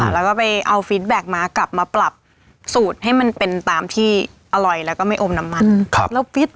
แล้วก็ไปเอาฟิตแบ็คม้ากลับมาปรับสูตรให้มันเป็นตามที่อร่อยแล้วก็ไม่อมน้ำมัน